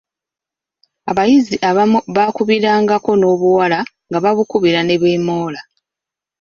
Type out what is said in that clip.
Abayizi abamu baakubirangako n’obuwala nga babukubira ne beemoola.